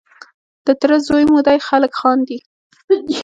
د تره زوی مو دی خلک خاندي.